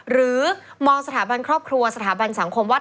หรือมองสถาบันครอบครัวสถาบันสังคมว่า